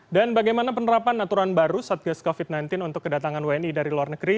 dan bagaimana penerapan aturan baru satgas covid sembilan belas untuk kedatangan wni dari luar negeri